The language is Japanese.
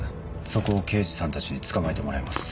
そこを刑事さんたちに捕まえてもらいます。